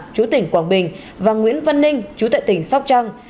chú tỉnh quảng bình và nguyễn văn ninh chú tại tỉnh sóc trăng